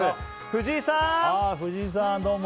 藤井さん！